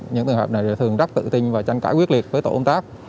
những trường hợp này thường rất tự tin và tranh cãi quyết liệt với tổ công tác